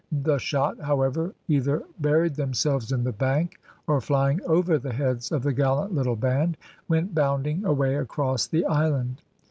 The shot, however, either buried themselves in the bank, or flying over the heads of the gallant little band, went bounding away across the island.